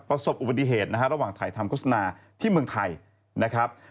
ประสบอุบัติเหตุนะฮะระหว่างถ่ายทำโฆษณาที่เมืองไทยนะครับ